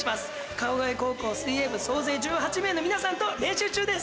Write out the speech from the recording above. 川越高校水泳部総勢１８名の皆さんと練習中です。